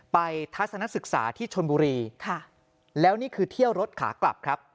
ทัศนศึกษาที่ชนบุรีแล้วนี่คือเที่ยวรถขากลับครับ